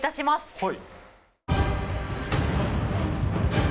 はい。